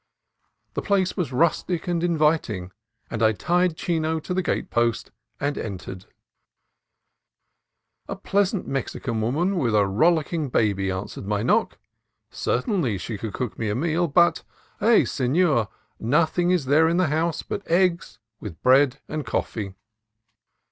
The place was rustic and inviting, and I tied Chino to the gate post and entered. A pleasant Mexican woman with a rollicking baby answered my knock. Certainly she could cook me a meal, but, "Ay, senor! nothing is there in the house but eggs, with bread and coffee."